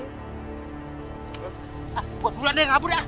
buat bulan deh ngabur ya